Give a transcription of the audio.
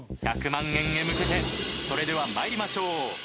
１００万円へ向けてそれではまいりましょう。